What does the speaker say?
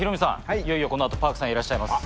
いよいよこの後Ｐａｒｋさんいらっしゃいます。